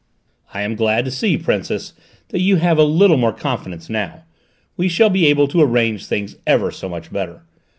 "I am glad to see, Princess, that you have a little more confidence now: we shall be able to arrange things ever so much better.